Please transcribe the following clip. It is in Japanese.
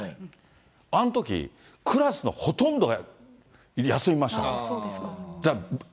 あんとき、クラスのほとんどが休みましたから。